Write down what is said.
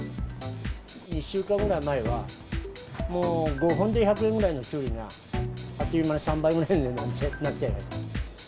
１週間ぐらい前は、もう５本で１００円ぐらいのキュウリが、あっという間に３倍くらいの値段になっちゃいました。